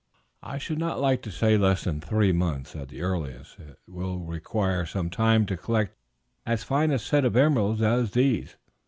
"I should not like to say less than three months at the earliest; it will require some time to collect as fine a set of emeralds as these.